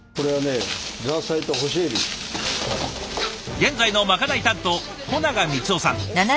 現在のまかない担当保永光男さん。